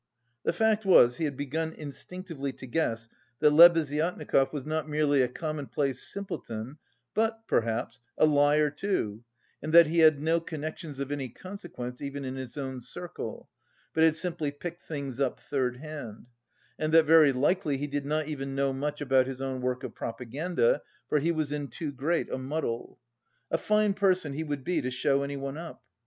The fact was he had begun instinctively to guess that Lebeziatnikov was not merely a commonplace simpleton, but, perhaps, a liar, too, and that he had no connections of any consequence even in his own circle, but had simply picked things up third hand; and that very likely he did not even know much about his own work of propaganda, for he was in too great a muddle. A fine person he would be to show anyone up!